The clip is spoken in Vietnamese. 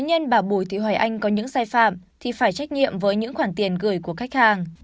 cá nhân bảo bồi thị hoài anh có những sai phạm thì phải trách nhiệm với những khoản tiền gửi của khách hàng